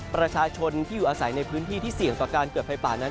ประชาชนที่อยู่อาศัยในพื้นที่ที่เสี่ยงต่อการเกิดไฟป่านั้น